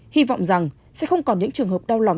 hy vọng rằng sẽ không còn những trường hợp đau lòng